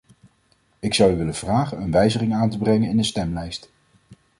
Ik zou u willen vragen een wijziging aan te brengen in de stemlijst.